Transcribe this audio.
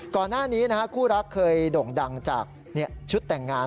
ก่อนหน้านี้คู่รักเคยโด่งดังจากชุดแต่งงาน